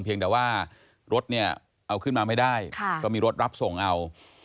เพียงแต่ว่ารถเนี่ยเอาขึ้นมาไม่ได้ก็มีรถรับส่งเอา